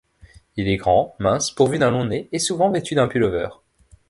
Il est grand, mince, pourvu d'un long nez, et souvent vêtu d'un pull-over.